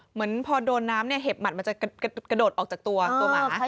เหมือนพอโดนน้ำเนี่ยเห็บหมัดมันจะกระโดดออกจากตัวหมา